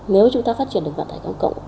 nếu chúng ta phát triển được vận tải công cộng